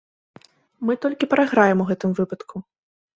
Мы толькі прайграем у гэтым выпадку.